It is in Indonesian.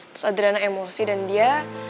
terus adriana emosi dan dia